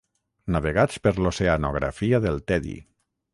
Navegats per l'oceanografia del tedi.